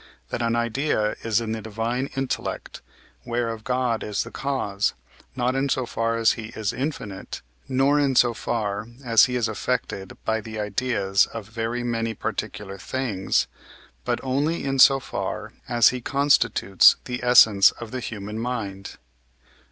that an idea is in the divine intellect, whereof God is the cause, not in so far as he is infinite, nor in so far as he is affected by the ideas of very many particular things, but only in so far as he constitutes the essence of the human mind.